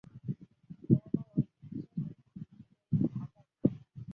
而不同网络之间的提款卡互用会收取跨网服务费。